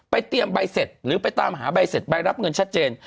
เตรียมใบเสร็จหรือไปตามหาใบเสร็จใบรับเงินชัดเจน